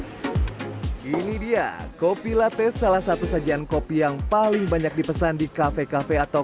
hai ini dia kopi latte salah satu sajian kopi yang paling banyak dipesan di kafe kafe atau